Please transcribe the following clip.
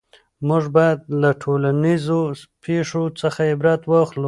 موږ باید له ټولنیزو پېښو څخه عبرت واخلو.